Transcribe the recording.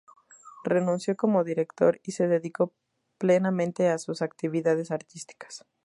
Renunció como director y se dedicó plenamente a sus actividades artísticas.